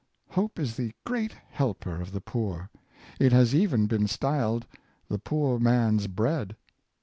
Hope is the great helper of the poor. It has even been styled "the poor man's bread."